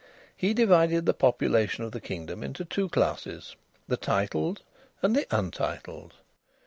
He divided the population of the kingdom into two classes the titled and the untitled.